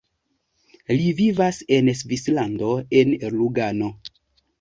Li vivas en Svislando en Lugano.